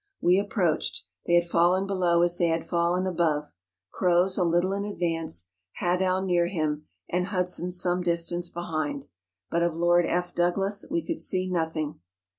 We approached; they had fallen below as they had fallen above,— Croz a little in advance, Hadow near hfm, and Hud¬ son some distance behind ; but of Lord F. Douglas we could see nothing.